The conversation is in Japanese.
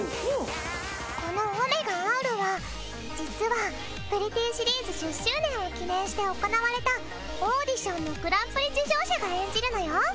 この御芽河あうるは実はプリティーシリーズ１０周年を記念して行われたオーディションのグランプリ受賞者が演じるのよ。